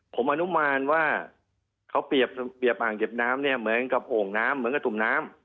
ผมอนุมานว่าเขาเปรียบอ่างเก็บน้ำเนี่ยเหมือนกับโอ่งน้ำเหมือนกับตุ่มน้ำ